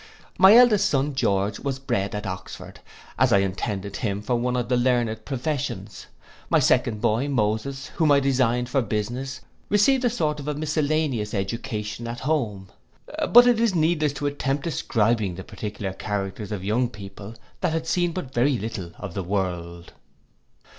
My eldest son George was bred at Oxford, as I intended him for one of the learned professions. My second boy Moses, whom I designed for business, received a sort of a miscellaneous education at home. But it is needless to attempt describing the particular characters of young people that had seen but very little of the world.